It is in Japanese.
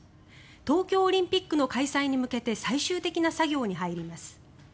東京オリンピックの開催に向けて最終的な作業に入ります。